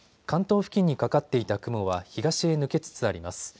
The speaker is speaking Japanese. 関東付近にかかっていた雲は東へ抜けつつあります。